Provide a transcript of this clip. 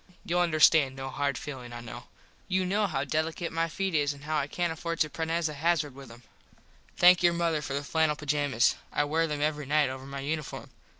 Youll understand no hard feelin I know. You know how delicate my feet is an how I cant afford to prennez a hazard with them. Thank your mother for the flannel pajammas. I wear them every night over my uniform.